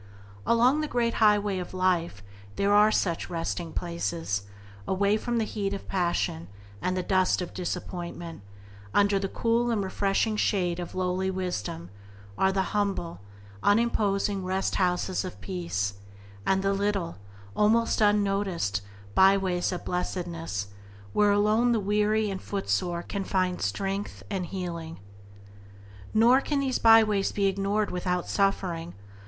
Along the great highway of life there are such resting places; away from the heat of passion and the dust of disappointment, under the cool and refreshing shade of lowly Wisdom, are the humble, unimposing "rest houses" of peace, and the little, almost unnoticed, byways of blessedness, where alone the weary and footsore can find strength and healing. Nor can these byways be ignored without suffering.